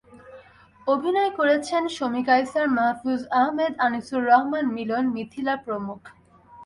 অভিনয় করেছেন শমী কায়সার, মাহফুজ আহমেদ, আনিসুর রহমান মিলন, মিথিলা প্রমুখ।